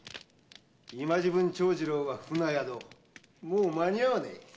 今時分長次郎は船宿間に合わねえ。